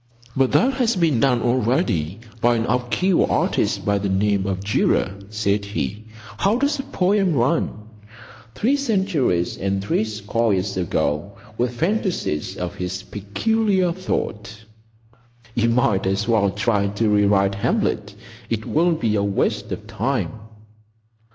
"But that has been done already by an obscure artist by the name of Durer," said he. "How does the poem run?— "Three centuries and threescore years ago, With phantasies of his peculiar thought. You might as well try to rewrite Hamlet. It will be a waste of time.